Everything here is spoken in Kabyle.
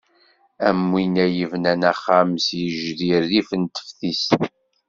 Am winna i yebnan axxam s yijdi rrif n teftis.